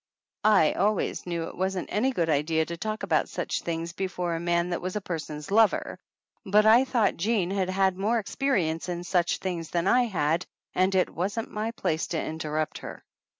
7 always knew it wasn't any good idea to talk about such things before a man that was a person's lover; but I thought Jean had had more experience in such things than I had and it wasn't my place to interrupt her.